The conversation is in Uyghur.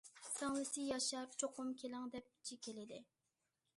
سىڭلىسى ياشار« چوقۇم كېلىڭ» دەپ جېكىلىدى.